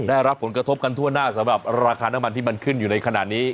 ได้รับผลกระทบกันทั่วหน้าสำหรับราคาน้ำมันที่มันขึ้นอยู่ในขณะนี้